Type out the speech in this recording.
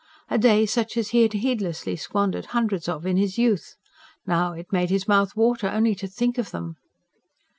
a day such as he had heedlessly squandered hundreds of, in his youth. Now it made his mouth water only to think of them.